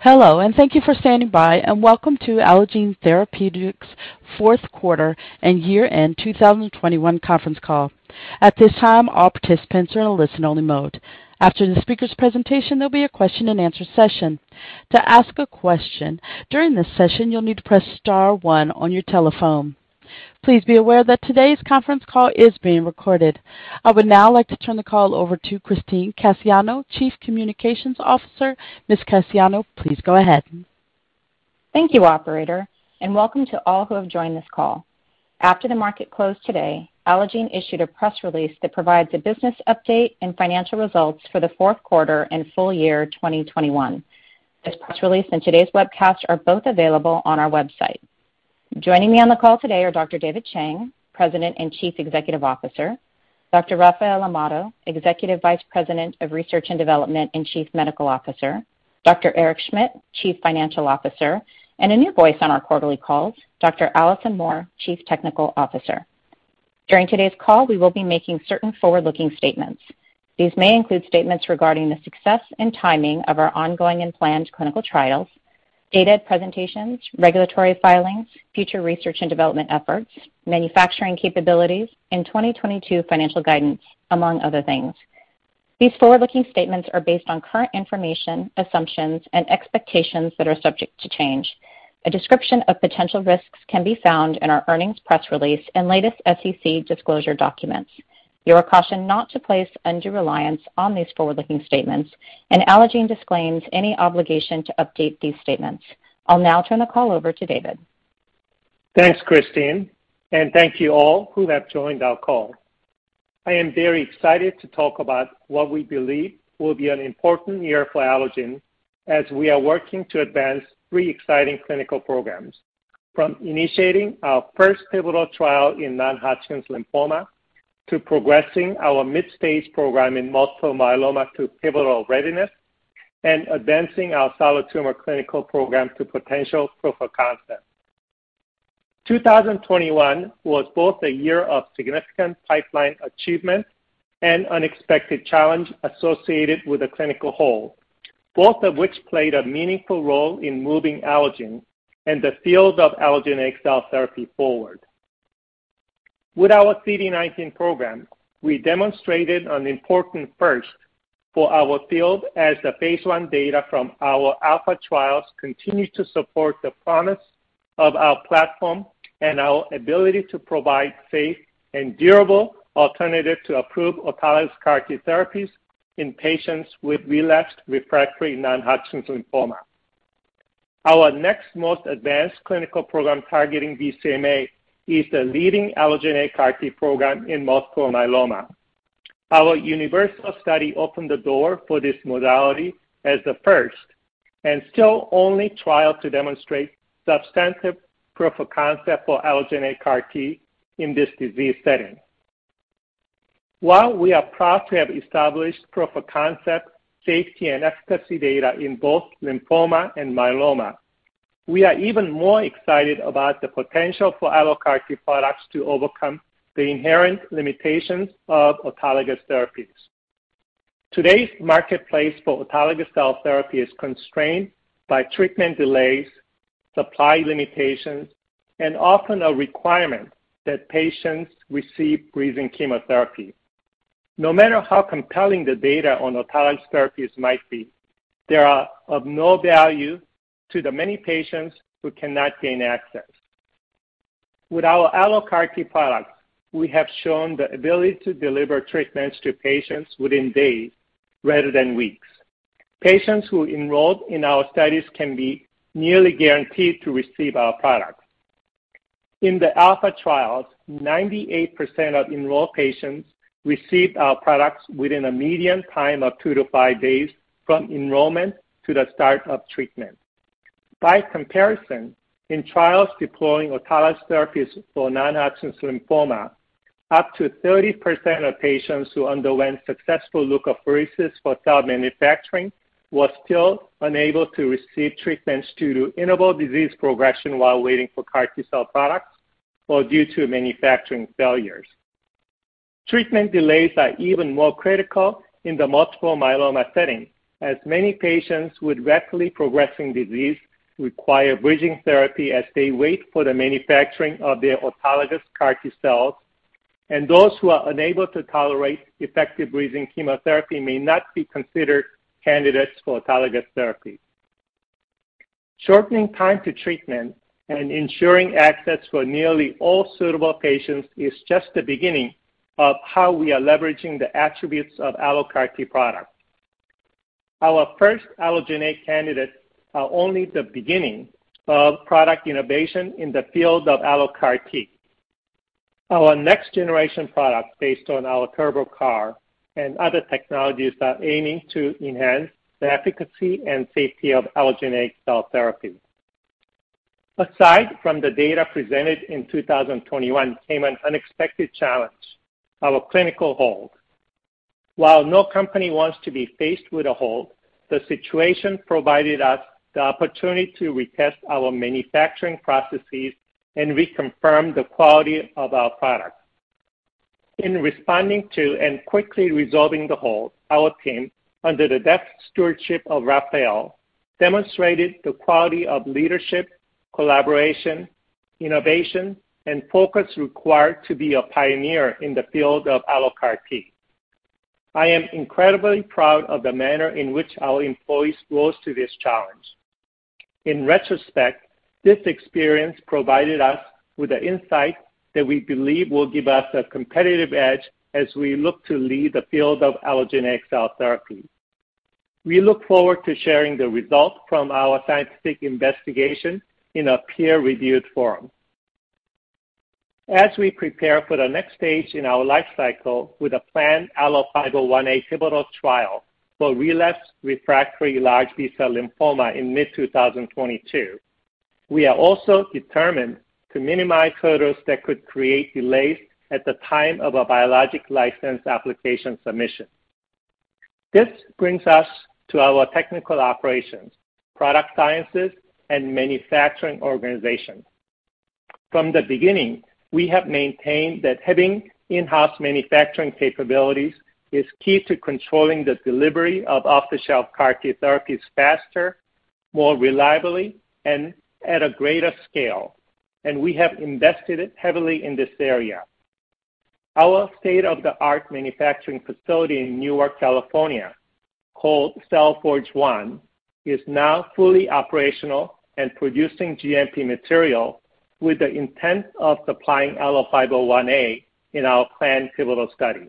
Hello, and thank you for standing by, and welcome to Allogene Therapeutics fourth quarter and year-end 2021 conference call. At this time, all participants are in a listen-only mode. After the speaker's presentation, there'll be a question-and-answer session. To ask a question during this session, you'll need to press star one on your telephone. Please be aware that today's conference call is being recorded. I would now like to turn the call over to Christine Cassiano, Chief Communications Officer. Ms. Cassiano, please go ahead. Thank you, operator, and welcome to all who have joined this call. After the market closed today, Allogene issued a press release that provides a business update and financial results for the fourth quarter and full year 2021. This press release and today's webcast are both available on our website. Joining me on the call today are Dr. David Chang, President and Chief Executive Officer, Dr. Rafael Amado, Executive Vice President of Research and Development and Chief Medical Officer, Dr. Eric Schmidt, Chief Financial Officer, and a new voice on our quarterly calls, Dr. Alison Moore, Chief Technical Officer. During today's call, we will be making certain forward-looking statements. These may include statements regarding the success and timing of our ongoing and planned clinical trials, data presentations, regulatory filings, future research and development efforts, manufacturing capabilities, and 2022 financial guidance, among other things. These forward-looking statements are based on current information, assumptions, and expectations that are subject to change. A description of potential risks can be found in our earnings press release and latest SEC disclosure documents. You are cautioned not to place undue reliance on these forward-looking statements, and Allogene disclaims any obligation to update these statements. I'll now turn the call over to David. Thanks, Christine, and thank you all who have joined our call. I am very excited to talk about what we believe will be an important year for Allogene as we are working to advance three exciting clinical programs, from initiating our first pivotal trial in non-Hodgkin's lymphoma to progressing our mid-stage program in multiple myeloma to pivotal readiness and advancing our solid tumor clinical program to potential proof of concept. 2021 was both a year of significant pipeline achievement and unexpected challenge associated with a clinical hold, both of which played a meaningful role in moving Allogene and the field of allogeneic cell therapy forward. With our CD19 program, we demonstrated an important first for our field as the baseline data from our ALPHA trials continue to support the promise of our platform and our ability to provide safe and durable alternative to approved autologous CAR T therapies in patients with relapsed/refractory non-Hodgkin's lymphoma. Our next most advanced clinical program targeting BCMA is the leading AlloCAR T program in multiple myeloma. Our UNIVERSAL study opened the door for this modality as the first and still only trial to demonstrate substantive proof of concept for AlloCAR T in this disease setting. While we are proud to have established proof of concept, safety, and efficacy data in both lymphoma and myeloma, we are even more excited about the potential for AlloCAR T products to overcome the inherent limitations of autologous therapies. Today's marketplace for autologous cell therapy is constrained by treatment delays, supply limitations, and often a requirement that patients receive bridging chemotherapy. No matter how compelling the data on autologous therapies might be, they are of no value to the many patients who cannot gain access. With our AlloCAR T products, we have shown the ability to deliver treatments to patients within days rather than weeks. Patients who enroll in our studies can be nearly guaranteed to receive our products. In the ALPHA trials, 98% of enrolled patients received our products within a median time of two to five days from enrollment to the start of treatment. By comparison, in trials deploying autologous therapies for non-Hodgkin's lymphoma, up to 30% of patients who underwent successful leukapheresis for cell manufacturing were still unable to receive treatments due to interval disease progression while waiting for CAR T-cell products or due to manufacturing failures. Treatment delays are even more critical in the multiple myeloma setting, as many patients with rapidly progressing disease require bridging therapy as they wait for the manufacturing of their autologous CAR T-cells, and those who are unable to tolerate effective bridging chemotherapy may not be considered candidates for autologous therapy. Shortening time to treatment and ensuring access for nearly all suitable patients is just the beginning of how we are leveraging the attributes of AlloCAR T products. Our first allogeneic candidates are only the beginning of product innovation in the field of AlloCAR T. Our next generation products based on our TurboCAR and other technologies are aiming to enhance the efficacy and safety of allogeneic cell therapy. After the data presented in 2021 came an unexpected challenge, our clinical hold. While no company wants to be faced with a hold, the situation provided us the opportunity to retest our manufacturing processes and reconfirm the quality of our products. In responding to and quickly resolving the hold, our team, under the deft stewardship of Rafael, demonstrated the quality of leadership, collaboration, innovation, and focus required to be a pioneer in the field of AlloCAR T. I am incredibly proud of the manner in which our employees rose to this challenge. In retrospect, this experience provided us with the insight that we believe will give us a competitive edge as we look to lead the field of allogeneic cell therapy. We look forward to sharing the results from our scientific investigation in a peer-reviewed forum. As we prepare for the next stage in our life cycle with a planned ALLO-501A pivotal trial for relapsed refractory large B-cell lymphoma in mid-2022, we are also determined to minimize hurdles that could create delays at the time of our Biologics License Application submission. This brings us to our technical operations, product sciences, and manufacturing organizations. From the beginning, we have maintained that having in-house manufacturing capabilities is key to controlling the delivery of off-the-shelf CAR T therapies faster, more reliably, and at a greater scale, and we have invested heavily in this area. Our state-of-the-art manufacturing facility in Newark, California, called Cell Forge One, is now fully operational and producing GMP material with the intent of supplying ALLO-501A in our planned pivotal study.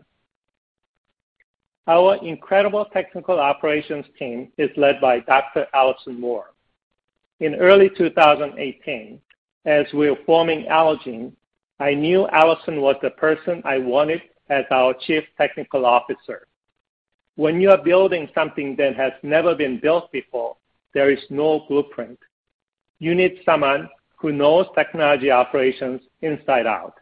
Our incredible technical operations team is led by Dr. Alison Moore. In early 2018, as we were forming Allogene, I knew Alison was the person I wanted as our Chief Technical Officer. When you are building something that has never been built before, there is no blueprint. You need someone who knows technology operations inside out.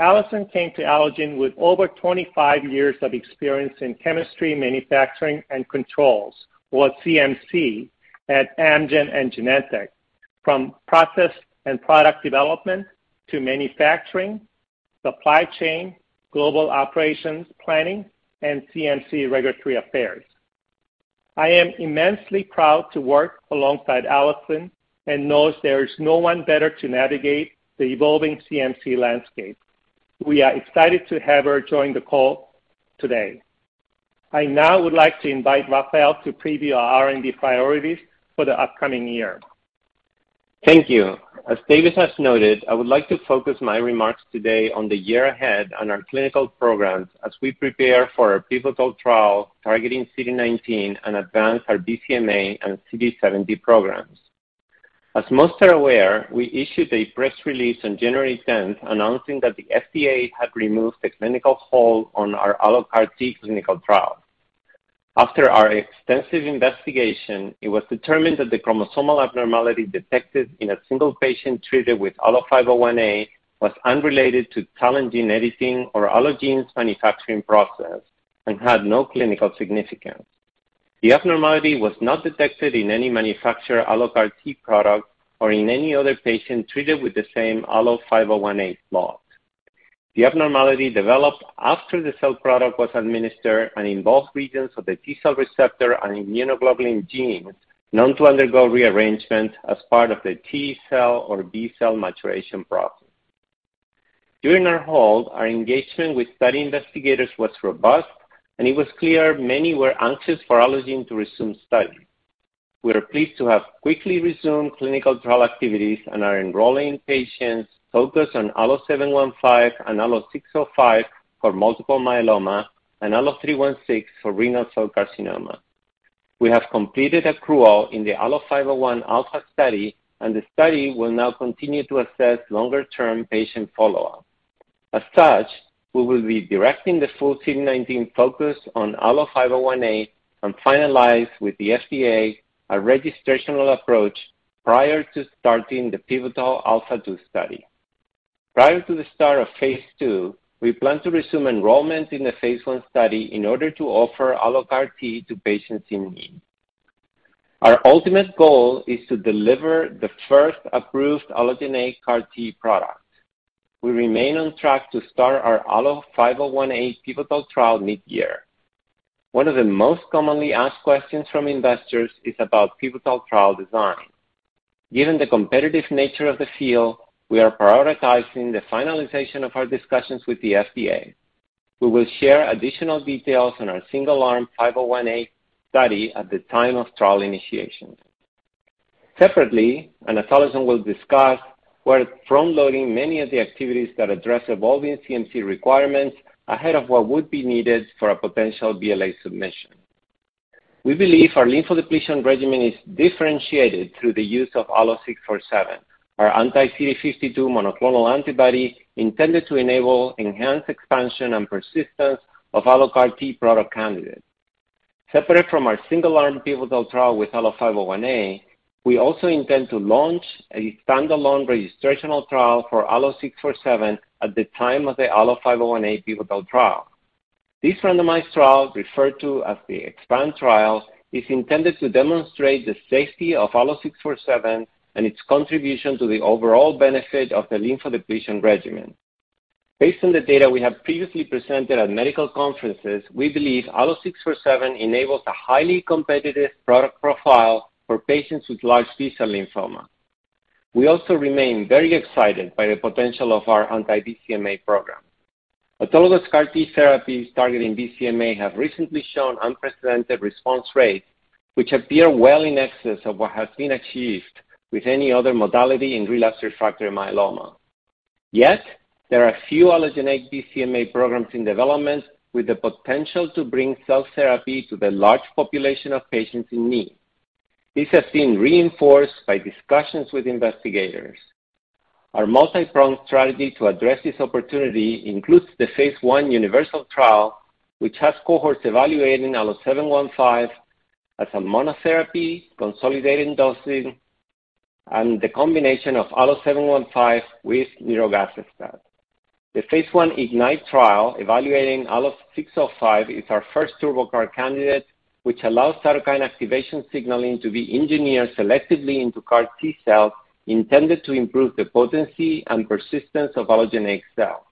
Alison came to Allogene with over 25 years of experience in chemistry, manufacturing, and controls, or CMC, at Amgen and Genentech, from process and product development to manufacturing, supply chain, global operations planning, and CMC regulatory affairs. I am immensely proud to work alongside Alison and knows there is no one better to navigate the evolving CMC landscape. We are excited to have her join the call today. I now would like to invite Rafael to preview our R&D priorities for the upcoming year. Thank you. As David has noted, I would like to focus my remarks today on the year ahead and our clinical programs as we prepare for our pivotal trial targeting CD19 and advance our BCMA and CD70 programs. As most are aware, we issued a press release on January tenth announcing that the FDA had removed the clinical hold on our AlloCAR T clinical trial. After our extensive investigation, it was determined that the chromosomal abnormality detected in a single patient treated with ALLO-501A was unrelated to TALEN gene editing or Allogene's manufacturing process and had no clinical significance. The abnormality was not detected in any manufactured AlloCAR T product or in any other patient treated with the same ALLO-501A lot. The abnormality developed after the cell product was administered and involved regions of the T-cell receptor and immunoglobulin genes known to undergo rearrangement as part of the T-cell or B-cell maturation process. During our hold, our engagement with study investigators was robust, and it was clear many were anxious for Allogene to resume study. We are pleased to have quickly resumed clinical trial activities and are enrolling patients focused on ALLO-715 and ALLO-605 for multiple myeloma and ALLO-316 for renal cell carcinoma. We have completed accrual in the ALLO-501 ALPHA study, and the study will now continue to assess longer-term patient follow-up. As such, we will be directing the full CD19 focus on ALLO-501A and finalize with the FDA a registrational approach prior to starting the pivotal ALPHA2 study. Prior to the start of phase II, we plan to resume enrollment in the phase I study in order to offer AlloCAR T to patients in need. Our ultimate goal is to deliver the first approved allogeneic CAR T product. We remain on track to start our ALLO-501A pivotal trial mid-year. One of the most commonly asked questions from investors is about pivotal trial design. Given the competitive nature of the field, we are prioritizing the finalization of our discussions with the FDA. We will share additional details on our single-arm 501A study at the time of trial initiation. Separately, and as Alison will discuss, we're front-loading many of the activities that address evolving CMC requirements ahead of what would be needed for a potential BLA submission. We believe our lymphodepletion regimen is differentiated through the use of ALLO-647, our anti-CD52 monoclonal antibody intended to enable enhanced expansion and persistence of AlloCAR T product candidates. Separate from our single-arm pivotal trial with ALLO-501A, we also intend to launch a standalone registrational trial for ALLO-647 at the time of the ALLO-501A pivotal trial. This randomized trial, referred to as the EXPAND trial, is intended to demonstrate the safety of ALLO-647 and its contribution to the overall benefit of the lymphodepletion regimen. Based on the data we have previously presented at medical conferences, we believe ALLO-647 enables a highly competitive product profile for patients with large B-cell lymphoma. We also remain very excited by the potential of our anti-BCMA program. Autologous CAR T therapies targeting BCMA have recently shown unprecedented response rates which appear well in excess of what has been achieved with any other modality in relapsed refractory myeloma. Yet there are few allogeneic BCMA programs in development with the potential to bring cell therapy to the large population of patients in need. This has been reinforced by discussions with investigators. Our multi-pronged strategy to address this opportunity includes the phase I UNIVERSAL trial, which has cohorts evaluating ALLO-715 as a monotherapy consolidation dosing and the combination of ALLO-715 with niraparib. The phase I IGNITE trial evaluating ALLO-605 is our first TurboCAR candidate which allows cytokine activation signaling to be engineered selectively into CAR T cells intended to improve the potency and persistence of allogeneic cells.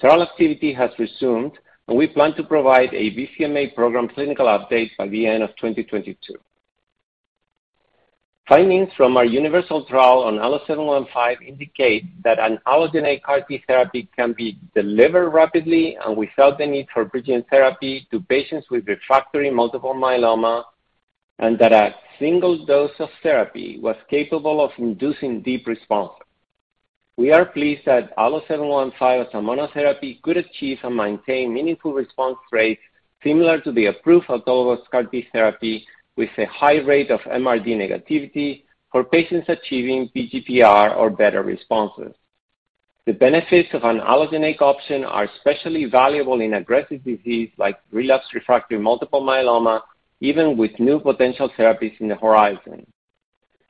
Trial activity has resumed, and we plan to provide a BCMA program clinical update by the end of 2022. Findings from our UNIVERSAL trial on ALLO-715 indicate that an allogeneic CAR T therapy can be delivered rapidly and without the need for bridging therapy to patients with refractory multiple myeloma, and that a single dose of therapy was capable of inducing deep responses. We are pleased that ALLO-715 as a monotherapy could achieve and maintain meaningful response rates similar to the approved autologous CAR T therapy with a high rate of MRD negativity for patients achieving VGPR or better responses. The benefits of an allogeneic option are especially valuable in aggressive disease like relapsed refractory multiple myeloma even with new potential therapies in the horizon.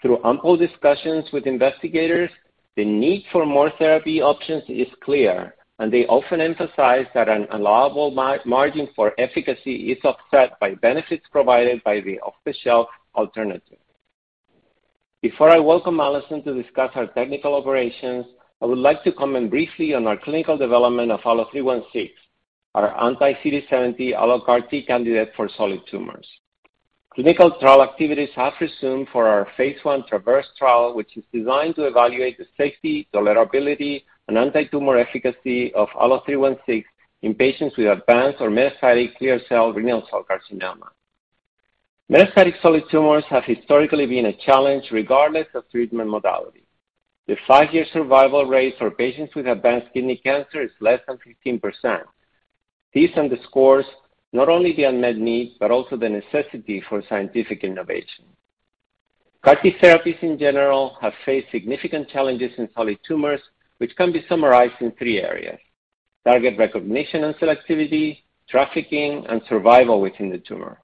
Through ample discussions with investigators, the need for more therapy options is clear, and they often emphasize that an allowable margin for efficacy is offset by benefits provided by the off-the-shelf alternative. Before I welcome Alison to discuss our technical operations, I would like to comment briefly on our clinical development of ALLO-316, our anti-CD70 AlloCAR T candidate for solid tumors. Clinical trial activities have resumed for our phase I TRAVERSE trial, which is designed to evaluate the safety, tolerability, and antitumor efficacy of ALLO-316 in patients with advanced or metastatic clear cell renal cell carcinoma. Metastatic solid tumors have historically been a challenge regardless of treatment modality. The five-year survival rate for patients with advanced kidney cancer is less than 15%. This underscores not only the unmet need but also the necessity for scientific innovation. CAR T therapies in general have faced significant challenges in solid tumors, which can be summarized in three areas, target recognition and selectivity, trafficking, and survival within the tumor.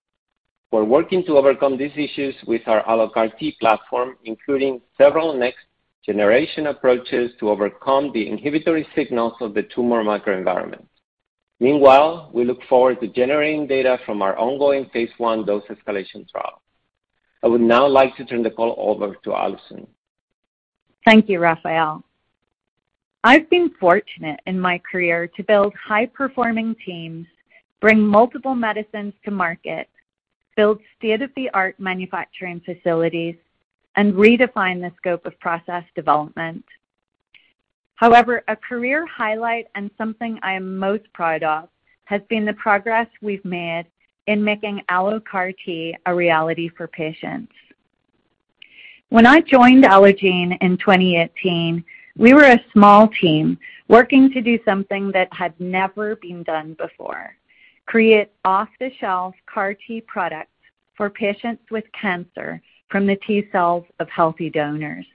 We're working to overcome these issues with our AlloCAR T platform, including several next generation approaches to overcome the inhibitory signals of the tumor microenvironment. Meanwhile, we look forward to generating data from our ongoing phase I dose escalation trial. I would now like to turn the call over to Alison. Thank you, Rafael. I've been fortunate in my career to build high-performing teams, bring multiple medicines to market, build state-of-the-art manufacturing facilities, and redefine the scope of process development. However, a career highlight and something I am most proud of has been the progress we've made in making AlloCAR T a reality for patients. When I joined Allogene in 2018, we were a small team working to do something that had never been done before, create off-the-shelf CAR T products for patients with cancer from the T cells of healthy donors.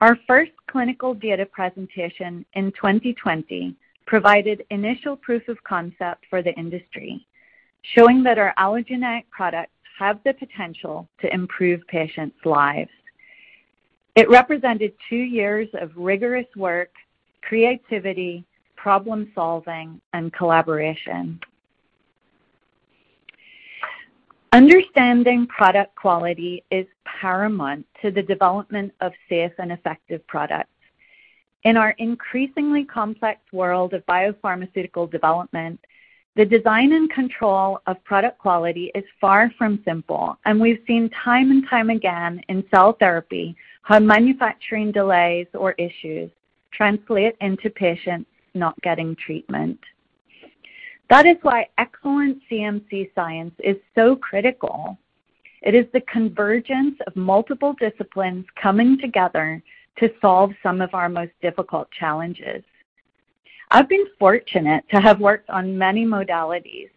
Our first clinical data presentation in 2020 provided initial proof of concept for the industry, showing that our allogeneic products have the potential to improve patients' lives. It represented two years of rigorous work, creativity, problem-solving, and collaboration. Understanding product quality is paramount to the development of safe and effective products. In our increasingly complex world of biopharmaceutical development, the design and control of product quality is far from simple, and we've seen time and time again in cell therapy how manufacturing delays or issues translate into patients not getting treatment. That is why excellent CMC science is so critical. It is the convergence of multiple disciplines coming together to solve some of our most difficult challenges. I've been fortunate to have worked on many modalities,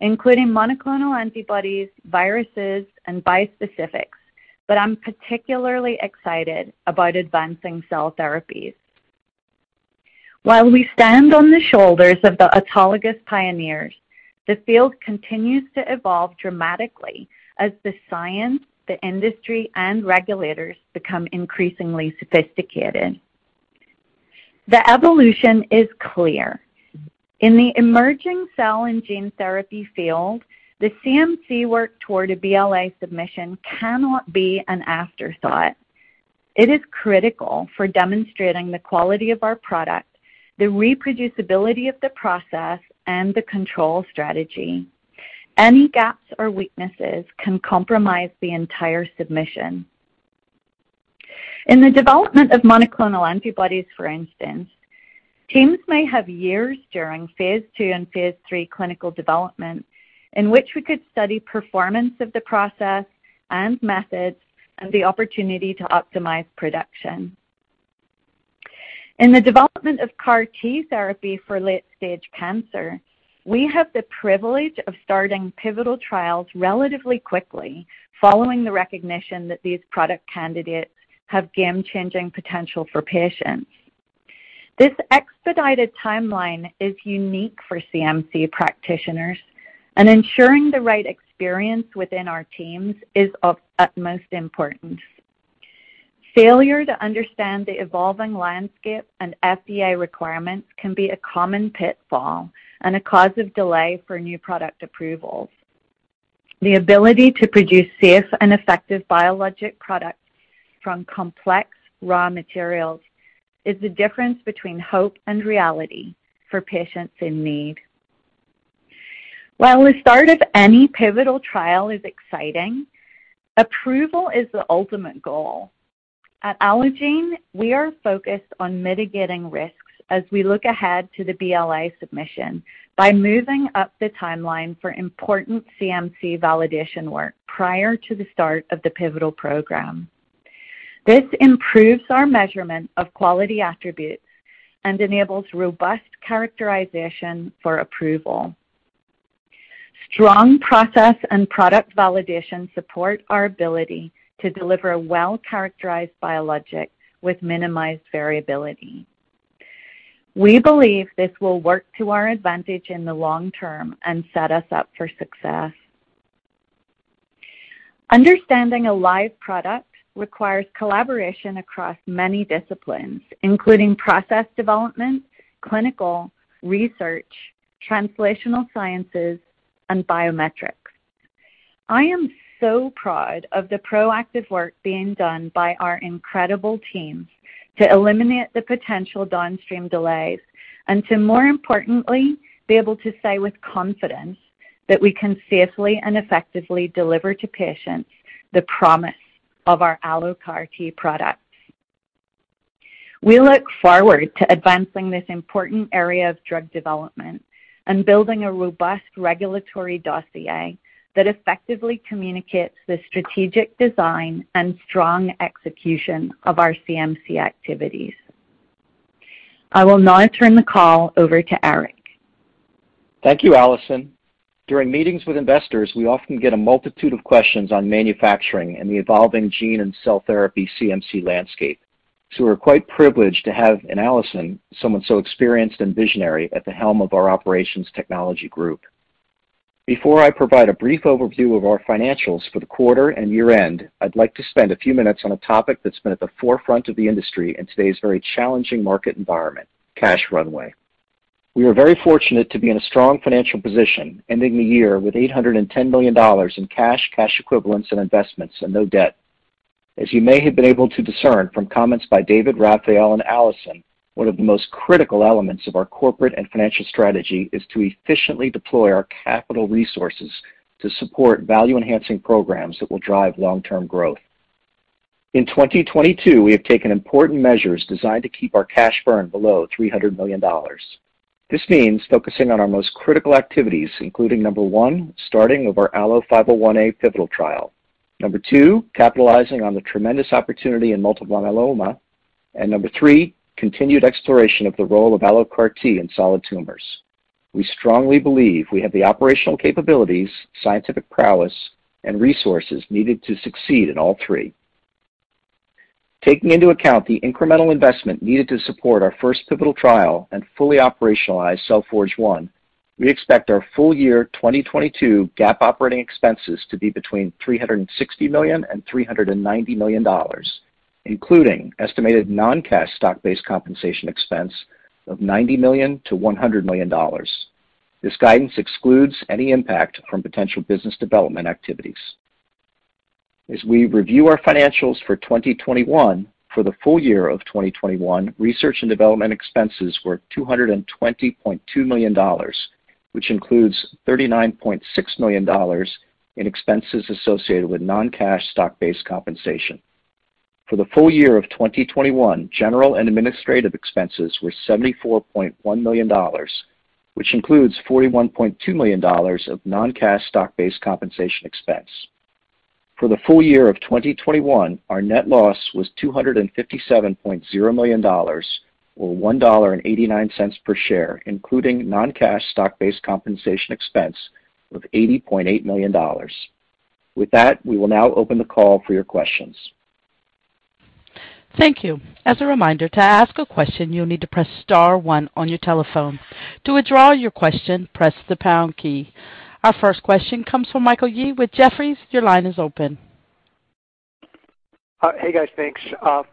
including monoclonal antibodies, viruses, and bispecifics, but I'm particularly excited about advancing cell therapies. While we stand on the shoulders of the autologous pioneers, the field continues to evolve dramatically as the science, the industry, and regulators become increasingly sophisticated. The evolution is clear. In the emerging cell and gene therapy field, the CMC work toward a BLA submission cannot be an afterthought. It is critical for demonstrating the quality of our product, the reproducibility of the process, and the control strategy. Any gaps or weaknesses can compromise the entire submission. In the development of monoclonal antibodies, for instance, teams may have years during phase II and phase III clinical development in which we could study performance of the process and methods and the opportunity to optimize production. In the development of CAR T therapy for late stage cancer, we have the privilege of starting pivotal trials relatively quickly following the recognition that these product candidates have game-changing potential for patients. This expedited timeline is unique for CMC practitioners, and ensuring the right experience within our teams is of utmost importance. Failure to understand the evolving landscape and FDA requirements can be a common pitfall and a cause of delay for new product approvals. The ability to produce safe and effective biologic products from complex raw materials is the difference between hope and reality for patients in need. While the start of any pivotal trial is exciting, approval is the ultimate goal. At Allogene, we are focused on mitigating risks as we look ahead to the BLA submission by moving up the timeline for important CMC validation work prior to the start of the pivotal program. This improves our measurement of quality attributes and enables robust characterization for approval. Strong process and product validation support our ability to deliver a well-characterized biologic with minimized variability. We believe this will work to our advantage in the long term and set us up for success. Understanding a live product requires collaboration across many disciplines, including process development, clinical research, translational sciences, and biometrics. I am so proud of the proactive work being done by our incredible teams to eliminate the potential downstream delays and to, more importantly, be able to say with confidence that we can safely and effectively deliver to patients the promise of our AlloCAR T product. We look forward to advancing this important area of drug development and building a robust regulatory dossier that effectively communicates the strategic design and strong execution of our CMC activities. I will now turn the call over to Eric. Thank you, Alison. During meetings with investors, we often get a multitude of questions on manufacturing and the evolving gene and cell therapy CMC landscape. We're quite privileged to have in Alison someone so experienced and visionary at the helm of our operations technology group. Before I provide a brief overview of our financials for the quarter and year-end, I'd like to spend a few minutes on a topic that's been at the forefront of the industry in today's very challenging market environment, cash runway. We are very fortunate to be in a strong financial position, ending the year with $810 million in cash equivalents, and investments and no debt. As you may have been able to discern from comments by David, Rafael, and Alison, one of the most critical elements of our corporate and financial strategy is to efficiently deploy our capital resources to support value-enhancing programs that will drive long-term growth. In 2022, we have taken important measures designed to keep our cash burn below $300 million. This means focusing on our most critical activities, including one, starting of our ALLO-501A pivotal trial, two, capitalizing on the tremendous opportunity in multiple myeloma, and three, continued exploration of the role of AlloCAR T in solid tumors. We strongly believe we have the operational capabilities, scientific prowess, and resources needed to succeed in all three. Taking into account the incremental investment needed to support our first pivotal trial and fully operationalize Cell Forge 1, we expect our full year 2022 GAAP operating expenses to be between $360 million and $390 million, including estimated non-cash stock-based compensation expense of $90 million-$100 million. This guidance excludes any impact from potential business development activities. As we review our financials for 2021, for the full year of 2021, research and development expenses were $220.2 million, which includes $39.6 million in expenses associated with non-cash stock-based compensation. For the full year of 2021, general and administrative expenses were $74.1 million, which includes $41.2 million of non-cash stock-based compensation expense. For the full year of 2021, our net loss was $257.0 million or $1.89 per share, including non-cash stock-based compensation expense of $80.8 million. With that, we will now open the call for your questions. Thank you. As a reminder, to ask a question, you'll need to press star one on your telephone. To withdraw your question, press the pound key. Our first question comes from Michael Yee with Jefferies. Your line is open. Hey guys, thanks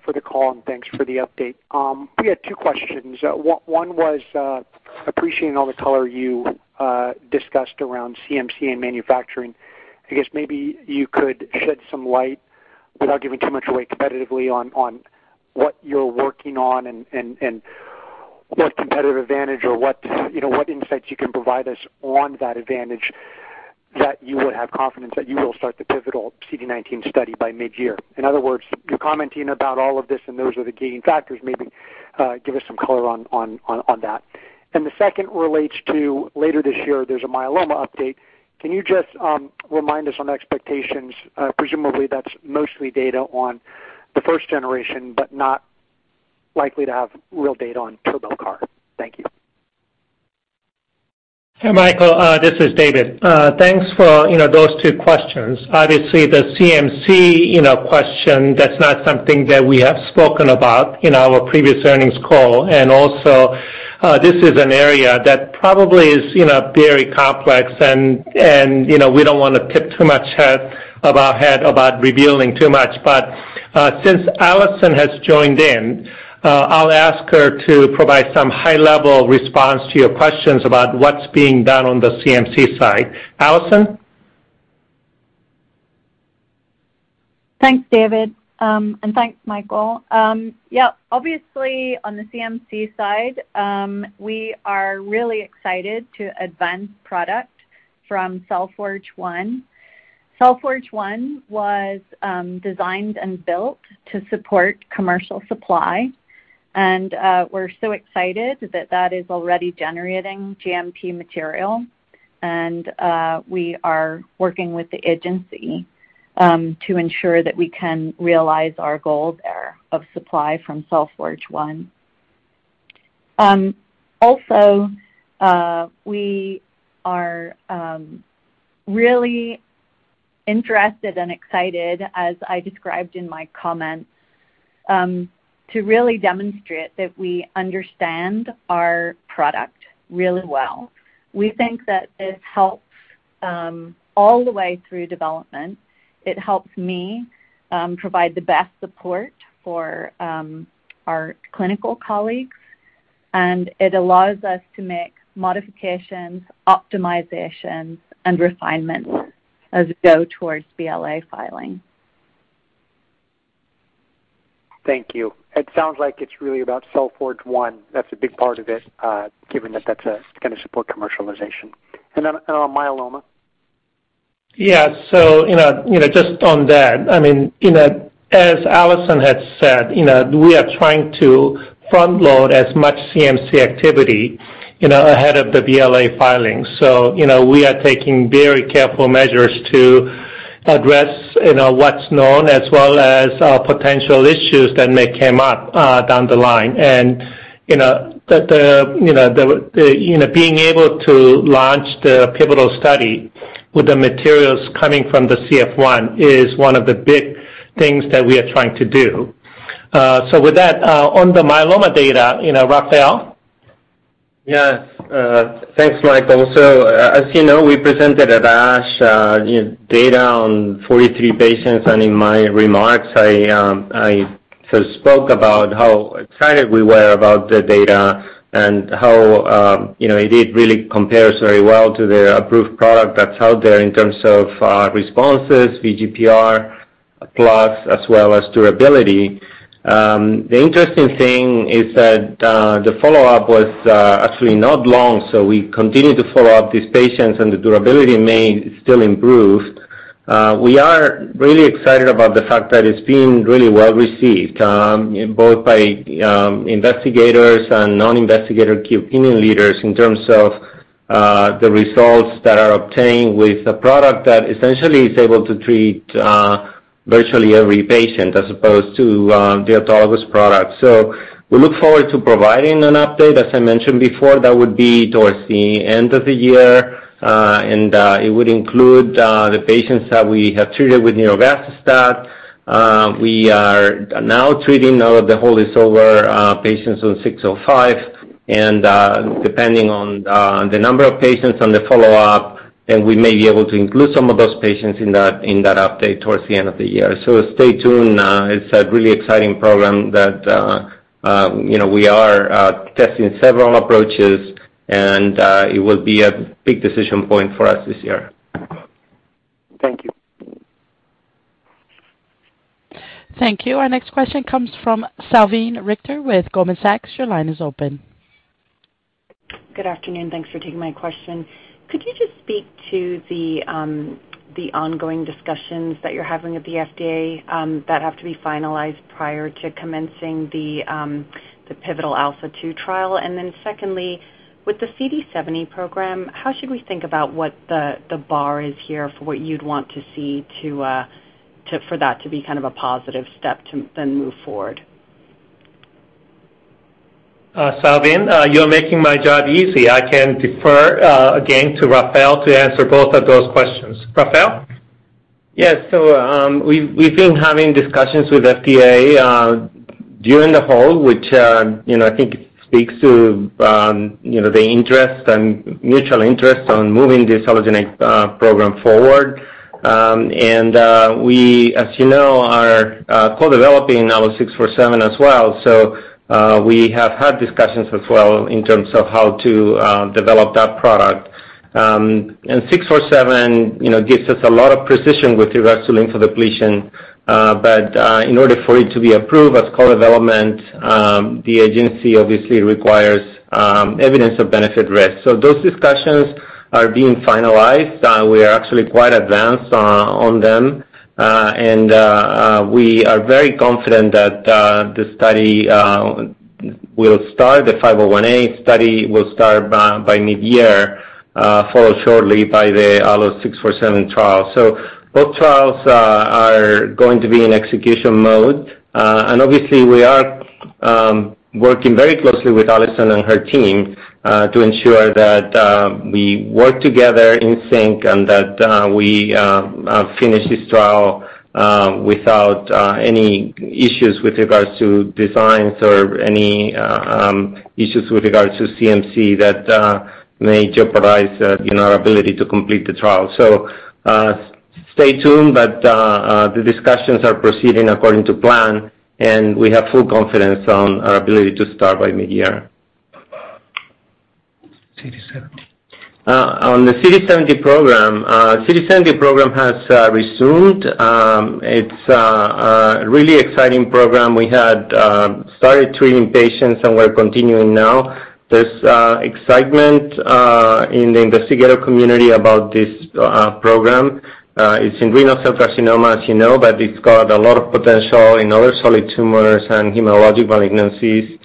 for the call, and thanks for the update. We had two questions. One was appreciating all the color you discussed around CMC and manufacturing. I guess maybe you could shed some light without giving too much away competitively on what you're working on and what competitive advantage or what, you know, what insights you can provide us on that advantage that you would have confidence that you will start the pivotal CD19 study by mid-year. In other words, you're commenting about all of this, and those are the gating factors. Maybe give us some color on that. The second relates to later this year, there's a myeloma update. Can you just remind us on expectations? Presumably, that's mostly data on the first generation, but not likely to have real data on TurboCAR. Thank you. Hey, Michael, this is David. Thanks for, you know, those two questions. Obviously, the CMC, you know, question, that's not something that we have spoken about in our previous earnings call. Also, this is an area that probably is, you know, very complex and you know, we don't wanna tip too much of our hand about revealing too much. Since Alison has joined in, I'll ask her to provide some high-level response to your questions about what's being done on the CMC side. Alison? Thanks, David, and thanks, Michael. Yeah, obviously, on the CMC side, we are really excited to advance product from Cell Forge 1. Cell Forge 1 was designed and built to support commercial supply, and we're so excited that that is already generating GMP material. We are really interested and excited, as I described in my comments, to really demonstrate that we understand our product really well. We think that this helps all the way through development. It helps me provide the best support for our clinical colleagues, and it allows us to make modifications, optimizations, and refinements as we go towards BLA filing. Thank you. It sounds like it's really about Cell Forge 1. That's a big part of this, given that that's gonna support commercialization. On myeloma. Yeah. You know, just on that, I mean, you know, as Alison had said, you know, we are trying to front load as much CMC activity, you know, ahead of the BLA filings. You know, we are taking very careful measures to address, you know, what's known, as well as potential issues that may come up down the line. You know, the being able to launch the pivotal study with the materials coming from the CF1 is one of the big things that we are trying to do. With that, on the myeloma data, you know, Rafael? Yeah, thanks, Michael. As you know, we presented at ASH data on 43 patients, and in my remarks, I spoke about how excited we were about the data and how, you know, it did really compares very well to the approved product that's out there in terms of responses, VGPR plus as well as durability. The interesting thing is that the follow-up was actually not long, so we continued to follow up these patients, and the durability may still improve. We are really excited about the fact that it's being really well received both by investigators and non-investigator opinion leaders in terms of the results that are obtained with a product that essentially is able to treat virtually every patient as opposed to the autologous product. We look forward to providing an update. As I mentioned before, that would be towards the end of the year, and it would include the patients that we have treated with nirogacestat. We are now treating, now that the hold is over, patients on ALLO-605. Depending on the number of patients on the follow-up, we may be able to include some of those patients in that update towards the end of the year. Stay tuned. It's a really exciting program that, you know, we are testing several approaches, and it will be a big decision point for us this year. Thank you. Thank you. Our next question comes from Salveen Richter with Goldman Sachs. Your line is open. Good afternoon. Thanks for taking my question. Could you just speak to the ongoing discussions that you're having with the FDA that have to be finalized prior to commencing the pivotal ALPHA2 trial? And then secondly, with the CD70 program, how should we think about what the bar is here for what you'd want to see for that to be kind of a positive step to then move forward? Salveen, you're making my job easy. I can defer again to Rafael to answer both of those questions. Rafael? Yes. We've been having discussions with the FDA during the whole, which you know, I think speaks to the interest and mutual interest on moving this allogeneic program forward. We, as you know, are co-developing ALLO-647 as well. We have had discussions as well in terms of how to develop that product. ALLO-647, you know, gives us a lot of precision with regards to lymphodepletion. In order for it to be approved as co-development, the agency obviously requires evidence of benefit-risk. Those discussions are being finalized. We are actually quite advanced on them. We are very confident that the ALLO-501A study will start by mid-year, followed shortly by the ALLO-647 trial. Both trials are going to be in execution mode. We are working very closely with Alison and her team to ensure that we work together in sync and that we finish this trial without any issues with regards to designs or any issues with regards to CMC that may jeopardize you know our ability to complete the trial. Stay tuned, but the discussions are proceeding according to plan, and we have full confidence on our ability to start by mid-year. CD70. On the CD70 program, the CD70 program has resumed. It's really exciting program. We had started treating patients, and we're continuing now. There's excitement in the investigator community about this program. It's in renal cell carcinoma, as you know, but it's got a lot of potential in other solid tumors and hematologic malignancies.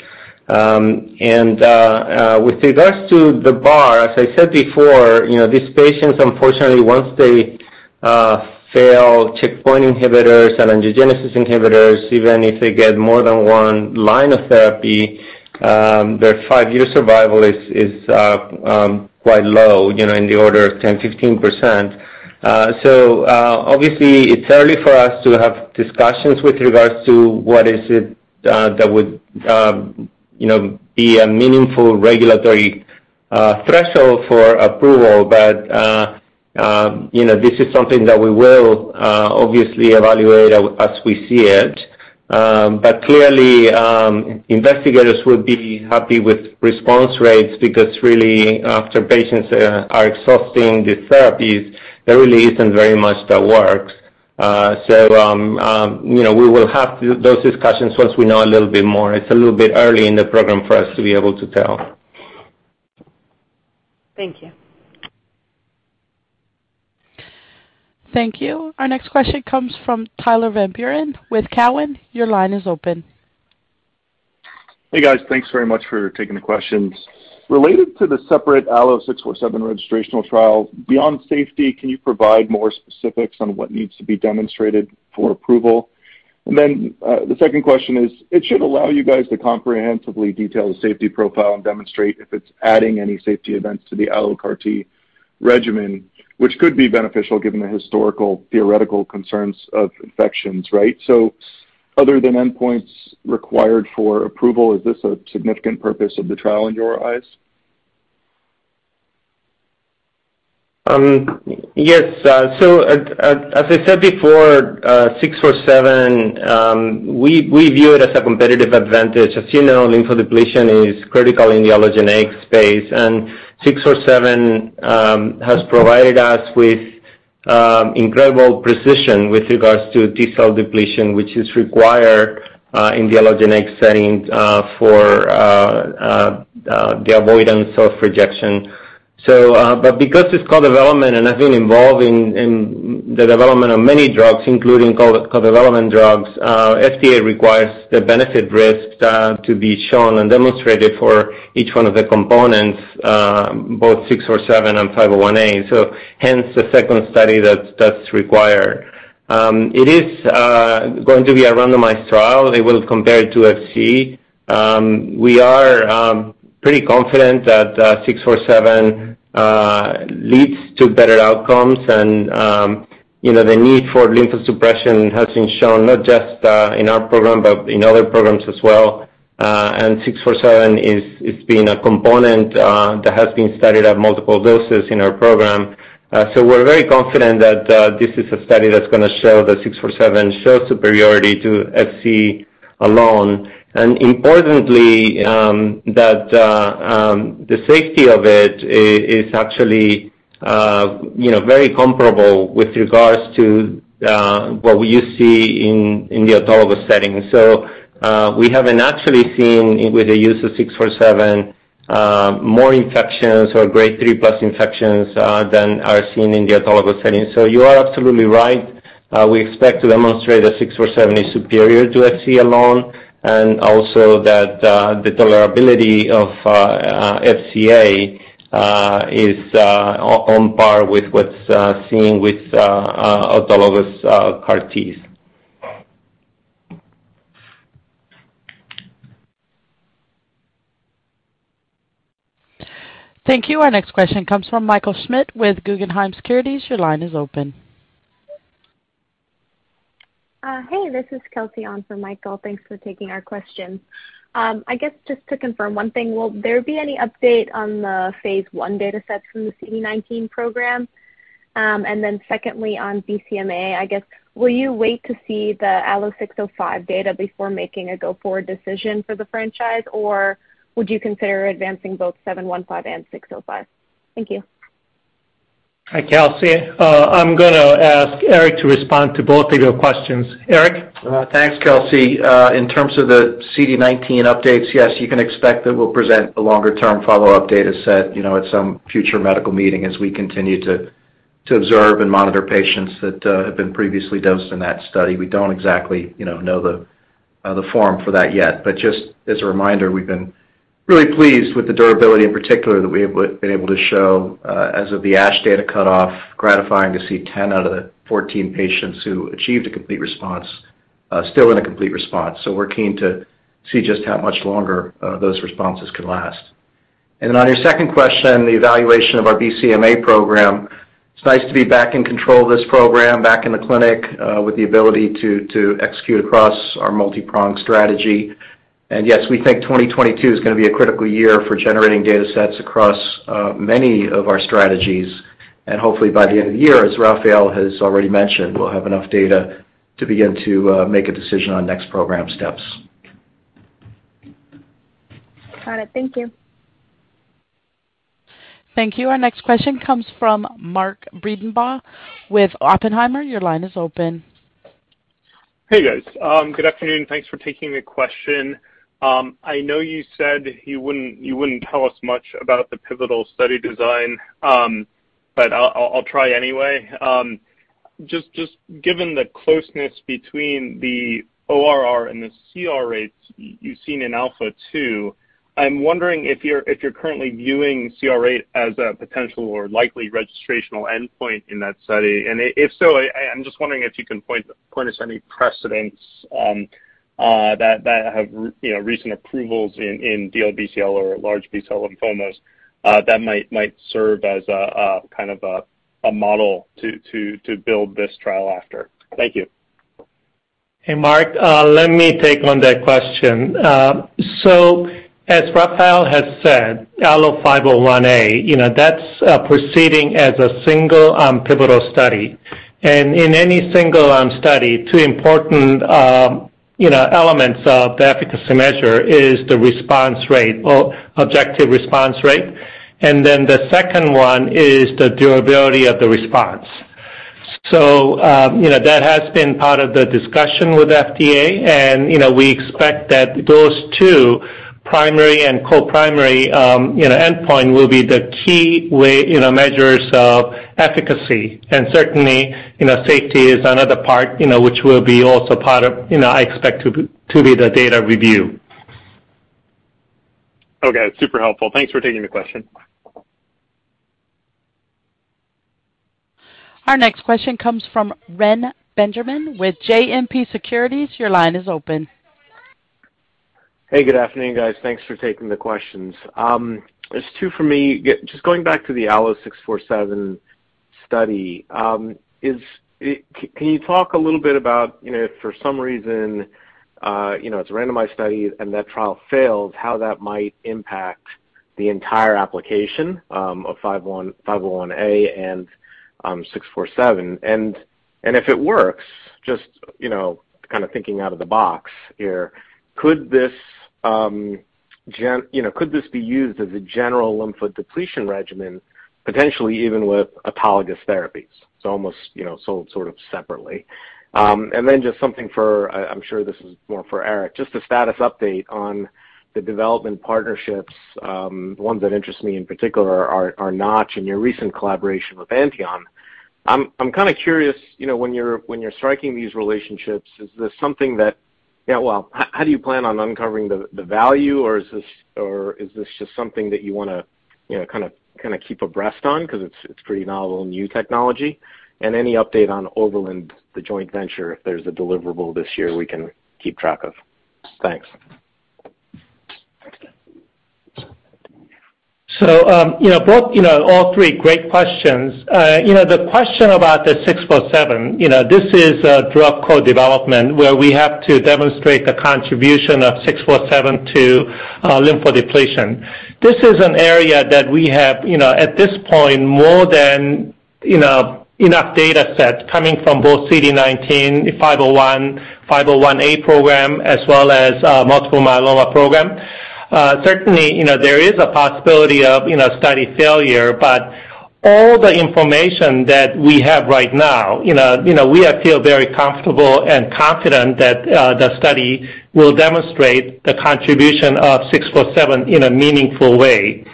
With regards to the bar, as I said before, you know, these patients unfortunately once they fail checkpoint inhibitors and angiogenesis inhibitors, even if they get more than one line of therapy, their five-year survival is quite low, you know, in the order of 10%-15%. Obviously it's early for us to have discussions with regards to what is it that would you know be a meaningful regulatory threshold for approval. You know, this is something that we will obviously evaluate as we see it. Clearly, investigators would be happy with response rates because really after patients are exhausting the therapies, there really isn't very much that works. You know, we will have those discussions once we know a little bit more. It's a little bit early in the program for us to be able to tell. Thank you. Thank you. Our next question comes from Tyler Van Buren with Cowen. Your line is open. Hey, guys. Thanks very much for taking the questions. Related to the separate ALLO-647 registrational trial, beyond safety, can you provide more specifics on what needs to be demonstrated for approval? The second question is, it should allow you guys to comprehensively detail the safety profile and demonstrate if it's adding any safety events to the AlloCAR T regimen, which could be beneficial given the historical theoretical concerns of infections, right? Other than endpoints required for approval, is this a significant purpose of the trial in your eyes? Yes. As I said before, ALLO-647, we view it as a competitive advantage. As you know, lymphodepletion is critical in the allogeneic space, and ALLO-647 has provided us with incredible precision with regards to T-cell depletion, which is required in the allogeneic setting for the avoidance of rejection. But because it's co-development, and I've been involved in the development of many drugs, including co-development drugs, FDA requires the benefit-risk to be shown and demonstrated for each one of the components, both ALLO-647 and ALLO-501A. Hence the second study that's required. It is going to be a randomized trial. It will compare two FC. We are pretty confident that ALLO-647 leads to better outcomes and you know, the need for lymphodepletion has been shown not just in our program, but in other programs as well. ALLO-647, it's been a component that has been studied at multiple doses in our program. We're very confident that this is a study that's gonna show that ALLO-647 shows superiority to FC alone. Importantly, that the safety of it is actually you know, very comparable with regards to what you see in the autologous setting. We haven't actually seen with the use of ALLO-647 more infections or grade 3+ infections than are seen in the autologous setting. You are absolutely right. We expect to demonstrate that ALLO-647 is superior to FC alone, and also that the tolerability of FCA is on par with what's seen with autologous CAR Ts. Thank you. Our next question comes from Michael Schmidt with Guggenheim Securities. Your line is open. Hey, this is Kelsey on for Michael. Thanks for taking our questions. I guess just to confirm one thing, will there be any update on the phase I datasets from the CD19 program? Secondly on BCMA, I guess, will you wait to see the ALLO-605 data before making a go-forward decision for the franchise? Or would you consider advancing both ALLO-715 and ALLO-605? Thank you. Hi, Kelsey. I'm gonna ask Eric to respond to both of your questions. Eric? Thanks, Kelsey. In terms of the CD19 updates, yes, you can expect that we'll present a longer-term follow-up data set, you know, at some future medical meeting as we continue to observe and monitor patients that have been previously dosed in that study. We don't exactly, you know the form for that yet. But just as a reminder, we've been really pleased with the durability in particular that we have been able to show, as of the ASH data cutoff, gratifying to see 10 out of the 14 patients who achieved a complete response still in a complete response. We're keen to see just how much longer those responses can last. Then on your second question, the evaluation of our BCMA program, it's nice to be back in control of this program, back in the clinic, with the ability to execute across our multi-pronged strategy. Yes, we think 2022 is gonna be a critical year for generating datasets across many of our strategies. Hopefully by the end of the year, as Rafael has already mentioned, we'll have enough data to begin to make a decision on next program steps. Got it. Thank you. Thank you. Our next question comes from Mark Breidenbach with Oppenheimer. Your line is open. Hey, guys. Good afternoon. Thanks for taking the question. I know you said you wouldn't tell us much about the pivotal study design, but I'll try anyway. Just given the closeness between the ORR and the CR rates you've seen in ALPHA2, I'm wondering if you're currently viewing CR rate as a potential or likely registrational endpoint in that study. If so, I'm just wondering if you can point us to any precedents, you know, that have recent approvals in DLBCL or large B-cell lymphomas that might serve as a kind of a model to build this trial after. Thank you. Hey, Mark, let me take on that question. As Rafael has said, ALLO-501A, you know, that's proceeding as a single pivotal study. In any single study, two important, you know, elements of the efficacy measure is the response rate or objective response rate, and then the second one is the durability of the response. That has been part of the discussion with FDA, and, you know, we expect that those two primary and co-primary, you know, endpoint will be the key way, you know, measures of efficacy. Certainly, you know, safety is another part, you know, which will be also part of, you know, I expect to be the data review. Okay, super helpful. Thanks for taking the question. Our next question comes from Reni Benjamin with JMP Securities. Your line is open. Hey, good afternoon, guys. Thanks for taking the questions. There's two for me. Yeah, just going back to the ALLO-647 study. Can you talk a little bit about, you know, if for some reason, you know, it's a randomized study and that trial fails, how that might impact the entire application of ALLO-501A and ALLO-647. If it works, just, you know, kind of thinking out of the box here, could this be used as a general lymphodepletion regimen, potentially even with autologous therapies, so almost, you know, sold sort of separately? Just something for, I'm sure this is more for Eric, just a status update on the development partnerships. The ones that interest me in particular are Notch and your recent collaboration with Aethon. I'm kinda curious, you know, when you're striking these relationships, yeah, well, how do you plan on uncovering the value, or is this just something that you wanna, you know, kinda keep abreast on because it's pretty novel and new technology? Any update on Overland, the joint venture, if there's a deliverable this year we can keep track of? Thanks. You know, both, you know, all three great questions. You know, the question about the ALLO-647, you know, this is a drug co-development where we have to demonstrate the contribution of ALLO-647 to lymphodepletion. This is an area that we have, you know, at this point, more than, you know, enough datasets coming from both CD19, ALLO-501A program, as well as multiple myeloma program. Certainly, you know, there is a possibility of, you know, study failure, but all the information that we have right now, you know, we feel very comfortable and confident that the study will demonstrate the contribution of ALLO-647 in a meaningful way.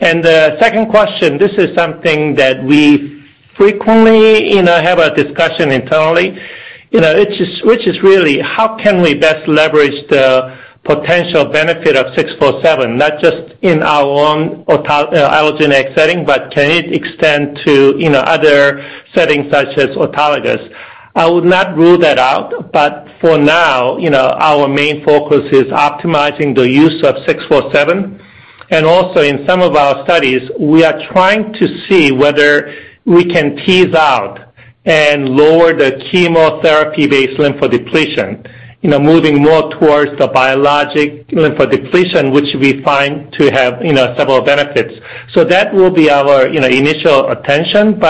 The second question, this is something that we frequently, you know, have a discussion internally. You know, which is really how can we best leverage the potential benefit of ALLO-647, not just in our own allogeneic setting, but can it extend to, you know, other settings such as autologous? I would not rule that out. For now, you know, our main focus is optimizing the use of ALLO-647. Also in some of our studies, we are trying to see whether we can tease out and lower the chemotherapy-based lymphodepletion, you know, moving more towards the biologic lymphodepletion, which we find to have, you know, several benefits. That will be our, you know, initial attention.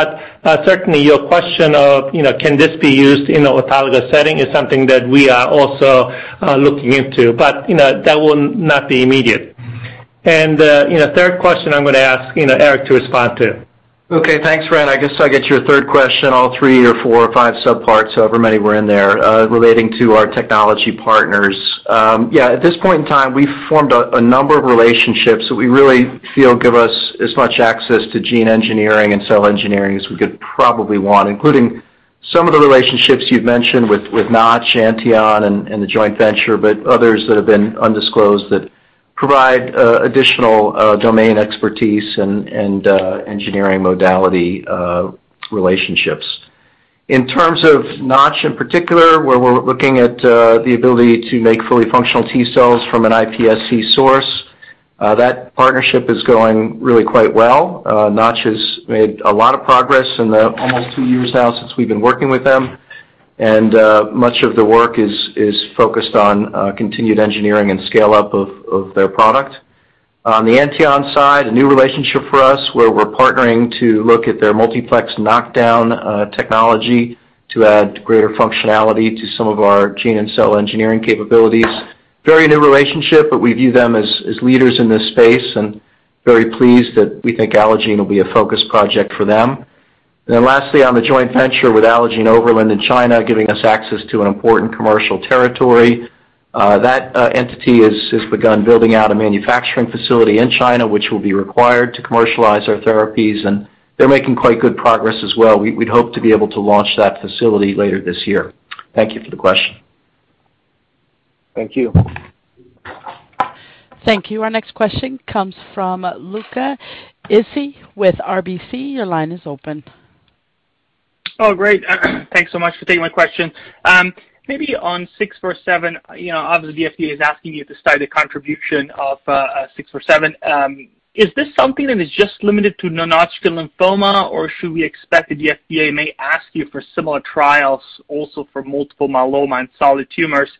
Certainly your question of, you know, can this be used in an autologous setting is something that we are also looking into, but, you know, that will not be immediate. You know, third question I'm gonna ask, you know, Eric to respond to. Okay. Thanks, Ren. I guess I'll get your third question, all three or four or five subparts, however many were in there, relating to our technology partners. Yeah, at this point in time, we've formed a number of relationships that we really feel give us as much access to gene engineering and cell engineering as we could probably want, including some of the relationships you've mentioned with Notch, Aethon, and the joint venture, but others that have been undisclosed that provide additional domain expertise and engineering modality relationships. In terms of Notch in particular, where we're looking at the ability to make fully functional T cells from an iPSC source, that partnership is going really quite well. Notch has made a lot of progress in the almost two years now since we've been working with them. Much of the work is focused on continued engineering and scale-up of their product. On the Aethon side, a new relationship for us, where we're partnering to look at their multiplex knockdown technology to add greater functionality to some of our gene and cell engineering capabilities. Very new relationship, but we view them as leaders in this space and very pleased that we think Allogene will be a focus project for them. Lastly, on the joint venture with Allogene Overland in China, giving us access to an important commercial territory, that entity has begun building out a manufacturing facility in China, which will be required to commercialize our therapies, and they're making quite good progress as well. We'd hope to be able to launch that facility later this year. Thank you for the question. Thank you. Thank you. Our next question comes from Luca Issi with RBC. Your line is open. Oh, great. Thanks so much for taking my question. Maybe on ALLO-647, you know, obviously the FDA is asking you to study the contribution of ALLO-647. Is this something that is just limited to non-Hodgkin's lymphoma, or should we expect the FDA may ask you for similar trials also for multiple myeloma and solid tumors?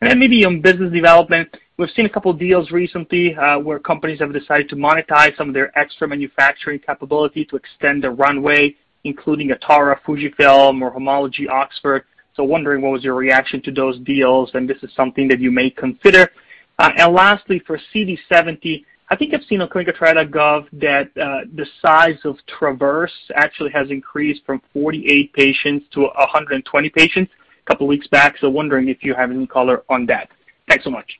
Maybe on business development, we've seen a couple of deals recently, where companies have decided to monetize some of their extra manufacturing capability to extend their runway, including Atara, Fujifilm, or Homology, Oxford. Wondering what was your reaction to those deals, and this is something that you may consider. Lastly, for CD70, I think I've seen on clinicaltrials.gov that the size of TRAVERSE actually has increased from 48 patients to 120 patients a couple of weeks back. Wondering if you have any color on that. Thanks so much.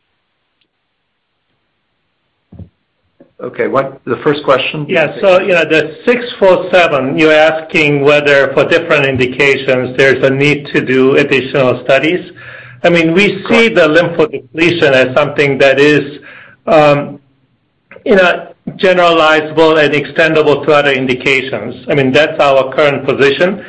Okay. The first question? Yeah. You know, the ALLO-647, you're asking whether for different indications there's a need to do additional studies. I mean- Correct. We see the lymphodepletion as something that is, you know, generalizable and extendable to other indications. I mean, that's our current position.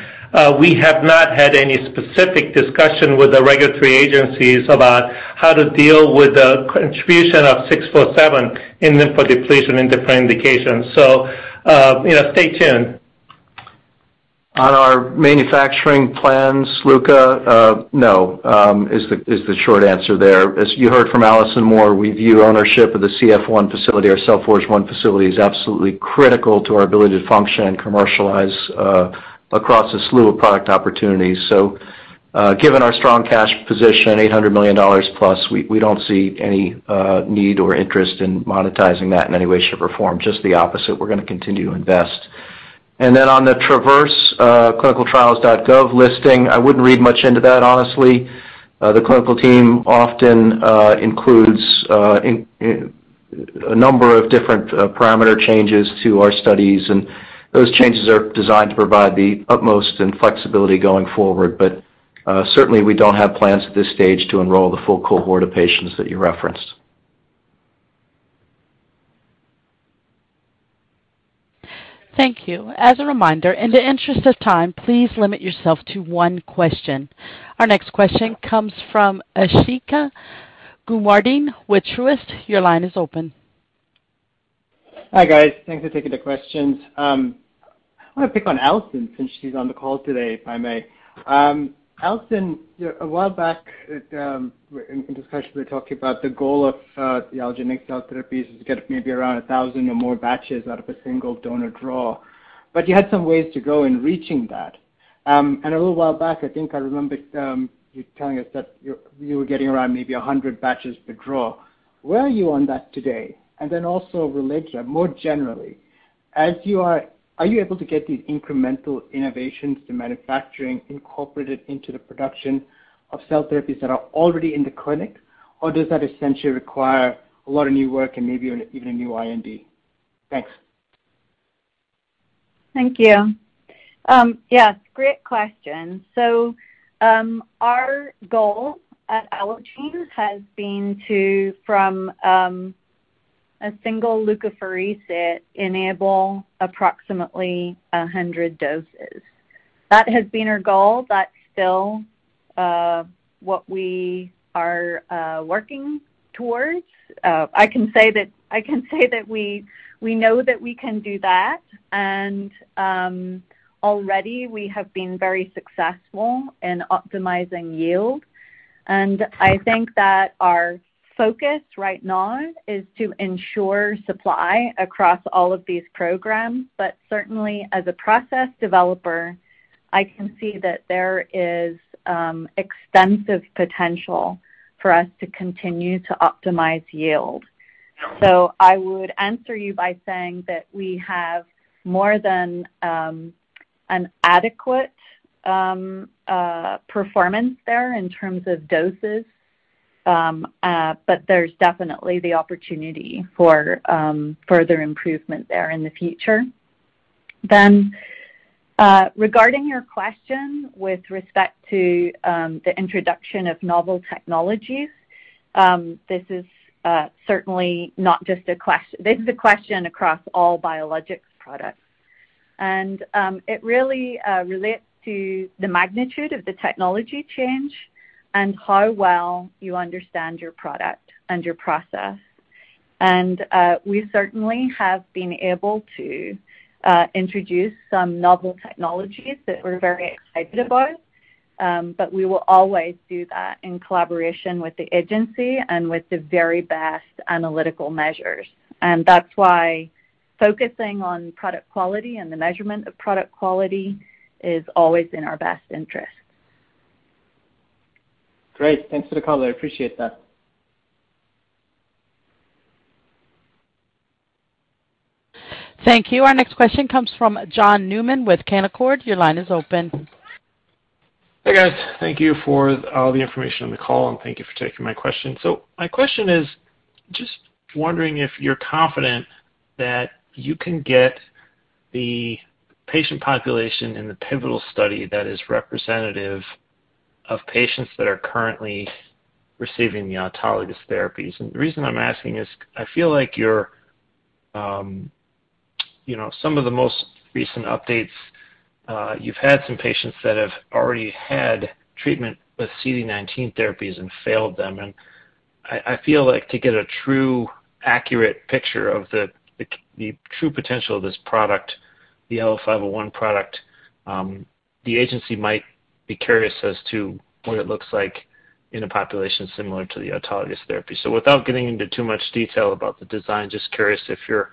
We have not had any specific discussion with the regulatory agencies about how to deal with the contribution of ALLO-647 in lymphodepletion in different indications. You know, stay tuned. On our manufacturing plans, Luca, no is the short answer there. As you heard from Alison Moore, we view ownership of the CF1 facility, our Cell Forge 1 facility, is absolutely critical to our ability to function and commercialize across a slew of product opportunities. Given our strong cash position, $800 million+, we don't see any need or interest in monetizing that in any way, shape, or form. Just the opposite. We're gonna continue to invest. On the TRAVERSE clinicaltrials.gov listing, I wouldn't read much into that, honestly. The clinical team often includes in a number of different parameter changes to our studies, and those changes are designed to provide the utmost in flexibility going forward. Certainly we don't have plans at this stage to enroll the full cohort of patients that you referenced. Thank you. As a reminder, in the interest of time, please limit yourself to one question. Our next question comes from Asthika Goonewardene with Truist. Your line is open. Hi, guys. Thanks for taking the questions. I wanna pick on Alison since she's on the call today, if I may. Alison, a while back, in discussion, we were talking about the goal of the allogeneic cell therapies is to get maybe around 1,000 or more batches out of a single donor draw. But you had some ways to go in reaching that. And a little while back, I think I remember you telling us that you were getting around maybe 100 batches per draw. Where are you on that today? And then also related, more generally, as you are you able to get these incremental innovations to manufacturing incorporated into the production of cell therapies that are already in the clinic, or does that essentially require a lot of new work and maybe even a new IND? Thanks. Thank you. Yes, great question. Our goal at Allogene has been from a single leukapheresis enables approximately 100 doses. That has been our goal. That's still what we are working towards. I can say that we know that we can do that, and already we have been very successful in optimizing yield. I think that our focus right now is to ensure supply across all of these programs. Certainly, as a process developer, I can see that there is extensive potential for us to continue to optimize yield. I would answer you by saying that we have more than an adequate performance there in terms of doses. There's definitely the opportunity for further improvement there in the future. Regarding your question with respect to the introduction of novel technologies, this is certainly not just a question across all biologics products. It really relates to the magnitude of the technology change and how well you understand your product and your process. We certainly have been able to introduce some novel technologies that we're very excited about, but we will always do that in collaboration with the agency and with the very best analytical measures. That's why focusing on product quality and the measurement of product quality is always in our best interest. Great. Thanks for the call. I appreciate that. Thank you. Our next question comes from John Newman with Canaccord. Your line is open. Hey, guys. Thank you for all the information on the call, and thank you for taking my question. My question is just wondering if you're confident that you can get the patient population in the pivotal study that is representative of patients that are currently receiving the autologous therapies. The reason I'm asking is I feel like you're, you know, some of the most recent updates, you've had some patients that have already had treatment with CD19 therapies and failed them. I feel like to get a true accurate picture of the true potential of this product, the ALLO-501 product, the agency might be curious as to what it looks like in a population similar to the autologous therapy. Without getting into too much detail about the design, just curious if you're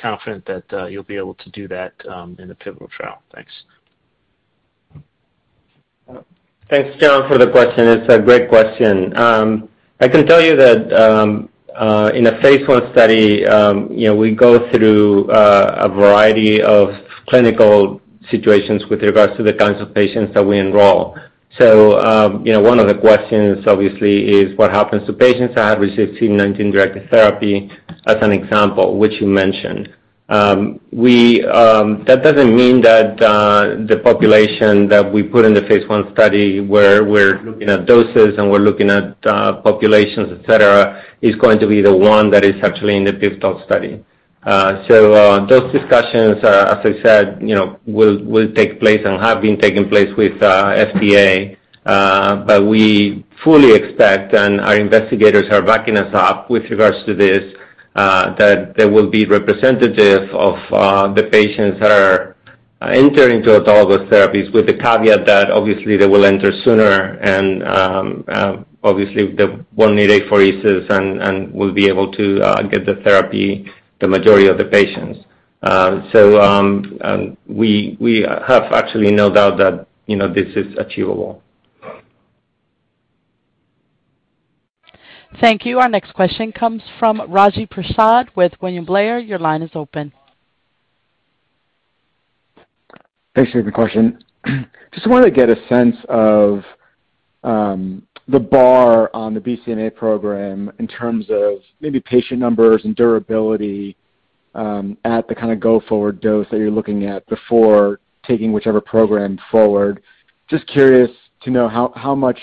confident that you'll be able to do that in the pivotal trial. Thanks. Thanks, John, for the question. It's a great question. I can tell you that in a phase I study, you know, we go through a variety of clinical situations with regards to the kinds of patients that we enroll. You know, one of the questions obviously is what happens to patients that have received CD19 directed therapy as an example, which you mentioned. We, that doesn't mean that the population that we put in the phase I study, where we're looking at doses and we're looking at populations, et cetera, is going to be the one that is actually in the pivotal study. Those discussions are, as I said, you know, will take place and have been taking place with FDA. We fully expect, and our investigators are backing us up with regards to this, that they will be representative of the patients that are entering into autologous therapies with the caveat that obviously they will enter sooner and obviously they won't need apheresis and will be able to get the therapy, the majority of the patients. We have actually no doubt that, you know, this is achievable. Thank you. Our next question comes from Raju Prasad with William Blair. Your line is open. Thanks for the question. Just wanted to get a sense of the bar on the BCMA program in terms of maybe patient numbers and durability at the kinda go-forward dose that you're looking at before taking whichever program forward. Just curious to know how much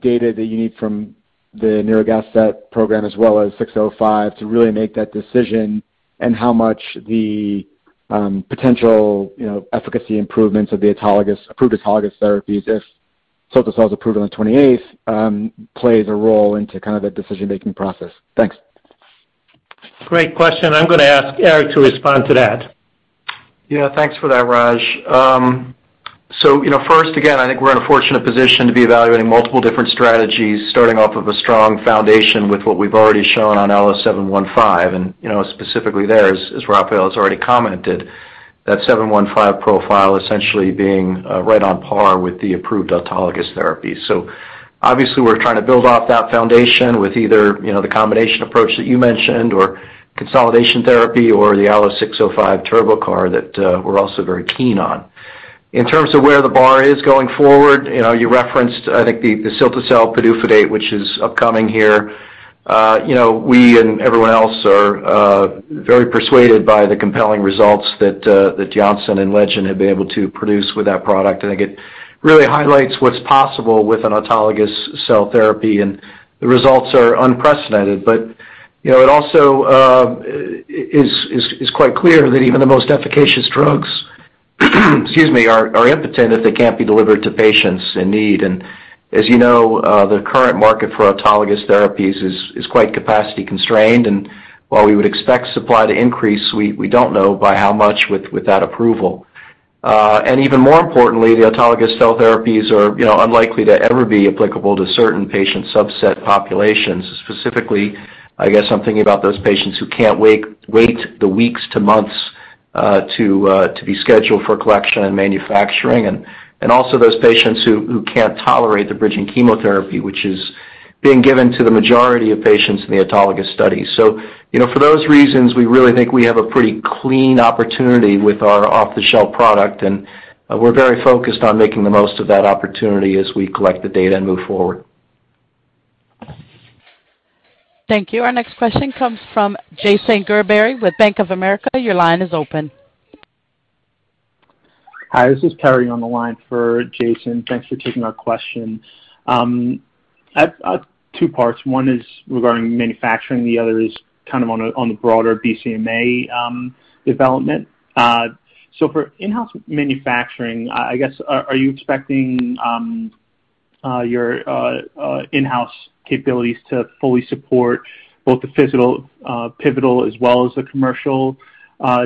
data that you need from the nirogacestat program as well as ALLO-605 to really make that decision and how much the potential, you know, efficacy improvements of the autologous, approved autologous therapies if Cilta-cel is approved on the 28th plays a role into kind of the decision-making process. Thanks. Great question. I'm gonna ask Eric to respond to that. Yeah, thanks for that, Raj. You know, first again, I think we're in a fortunate position to be evaluating multiple different strategies, starting off of a strong foundation with what we've already shown on ALLO-715. You know, specifically there, as Rafael has already commented, that ALLO-715 profile essentially being right on par with the approved autologous therapy. Obviously we're trying to build off that foundation with either, you know, the combination approach that you mentioned or consolidation therapy or the ALLO-605 TurboCARs that we're also very keen on. In terms of where the bar is going forward, you know, you referenced, I think the Cilta-cel PDUFA date, which is upcoming here. You know, we and everyone else are very persuaded by the compelling results that Johnson & Johnson and Legend Biotech have been able to produce with that product. I think it really highlights what's possible with an autologous cell therapy, and the results are unprecedented. You know, it also is quite clear that even the most efficacious drugs Excuse me, they are important if they can't be delivered to patients in need. As you know, the current market for autologous therapies is quite capacity constrained. While we would expect supply to increase, we don't know by how much without approval. Even more importantly, the autologous cell therapies are, you know, unlikely to ever be applicable to certain patient subset populations. Specifically, I guess I'm thinking about those patients who can't wait weeks to months to be scheduled for collection and manufacturing. Also those patients who can't tolerate the bridging chemotherapy, which is being given to the majority of patients in the autologous study. You know, for those reasons, we really think we have a pretty clean opportunity with our off-the-shelf product, and we're very focused on making the most of that opportunity as we collect the data and move forward. Thank you. Our next question comes from Jason Gerberry with Bank of America. Your line is open. Hi, this is Terry on the line for Jason. Thanks for taking our question. I've two parts. One is regarding manufacturing, the other is kind of on the broader BCMA development. For in-house manufacturing, I guess, are you expecting your in-house capabilities to fully support both the physical pivotal as well as the commercial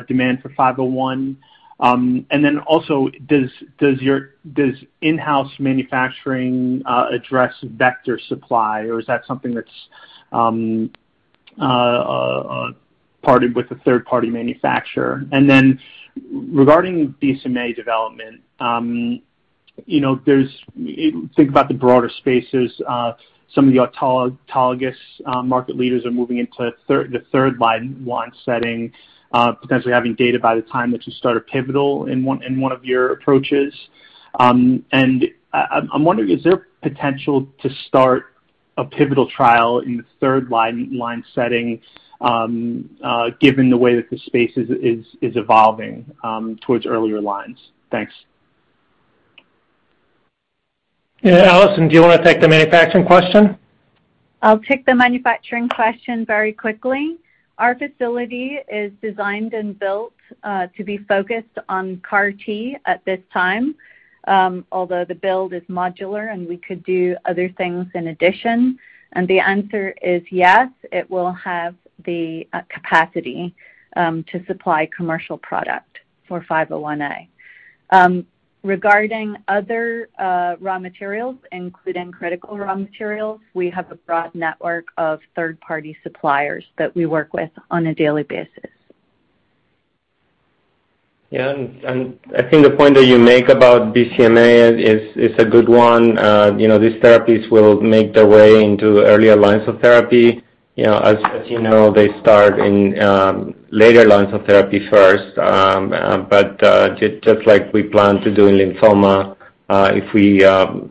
demand for five oh one? Does in-house manufacturing address vector supply, or is that something that's partnered with a third-party manufacturer? Regarding BCMA development, you know, think about the broader spaces, some of the autologous market leaders are moving into the third-line setting, potentially having data by the time that you start a pivotal in one of your approaches. I'm wondering, is there potential to start a pivotal trial in the third line setting, given the way that the space is evolving towards earlier lines? Thanks. Yeah, Alison, do you wanna take the manufacturing question? I'll take the manufacturing question very quickly. Our facility is designed and built to be focused on CAR T at this time, although the build is modular, and we could do other things in addition. The answer is yes, it will have the capacity to supply commercial product for 501A. Regarding other raw materials, including critical raw materials, we have a broad network of third-party suppliers that we work with on a daily basis. Yeah. I think the point that you make about BCMA is a good one. You know, these therapies will make their way into earlier lines of therapy. You know, as you know, they start in later lines of therapy first. Just like we plan to do in lymphoma,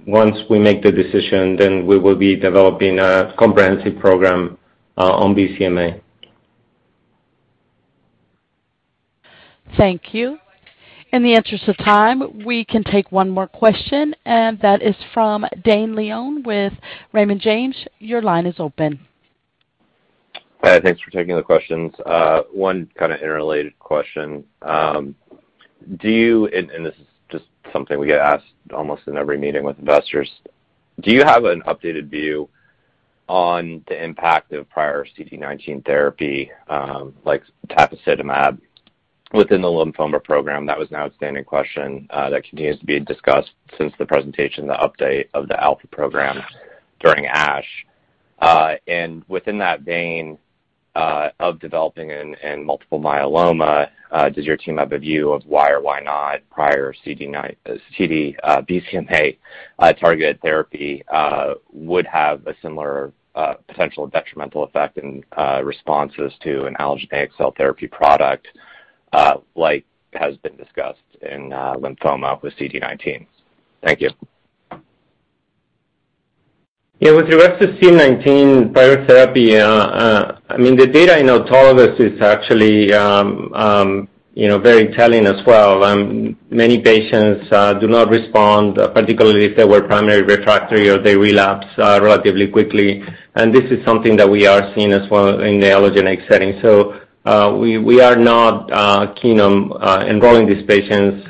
once we make the decision, then we will be developing a comprehensive program on BCMA. Thank you. In the interest of time, we can take one more question, and that is from Dane Leone with Raymond James. Your line is open. Hi, thanks for taking the questions. One kind of interrelated question. This is just something we get asked almost in every meeting with investors. Do you have an updated view on the impact of prior CD19 therapy, like tafasitamab within the lymphoma program? That was an outstanding question that continues to be discussed since the presentation, the update of the ALPHA program during ASH. Within that vein, of developing in multiple myeloma, does your team have a view of why or why not prior BCMA targeted therapy would have a similar potential detrimental effect in responses to an allogeneic cell therapy product, like has been discussed in lymphoma with CD19? Thank you. Yeah. With respect to CD19 prior therapy, I mean, the data in autologous is actually, you know, very telling as well. Many patients do not respond, particularly if they were primary refractory or they relapse relatively quickly. This is something that we are seeing as well in the allogeneic setting. We are not keen on enrolling these patients,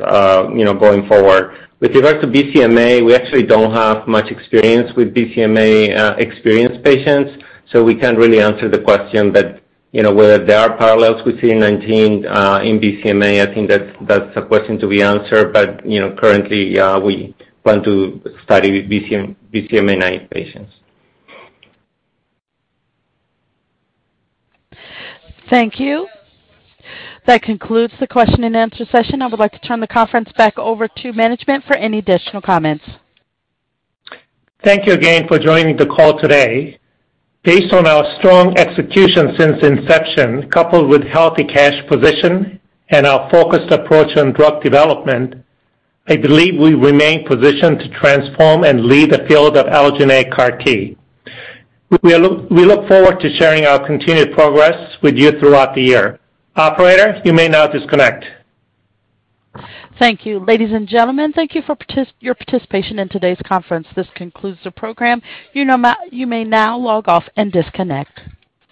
you know, going forward. With respect to BCMA, we actually don't have much experience with BCMA-experienced patients, so we can't really answer the question. You know, whether there are parallels with CD19 in BCMA, I think that's a question to be answered. You know, currently, we plan to study BCMA-naive patients. Thank you. That concludes the question and answer session. I would like to turn the conference back over to management for any additional comments. Thank you again for joining the call today. Based on our strong execution since inception, coupled with healthy cash position and our focused approach on drug development, I believe we remain positioned to transform and lead the field of allogeneic CAR T. We look forward to sharing our continued progress with you throughout the year. Operator, you may now disconnect. Thank you. Ladies and gentlemen, thank you for your participation in today's conference. This concludes the program. You may now log off and disconnect.